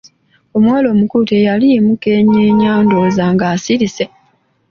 Omuwala omukulu teyaliimu keenyeenya ndowooza ng’azirise.